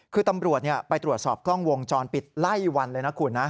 คือตำรวจไปตรวจสอบกล้องวงจรปิดไล่วันเลยนะคุณนะ